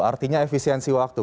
artinya efisiensi waktu